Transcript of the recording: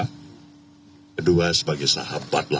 kedua sebagai sahabat lah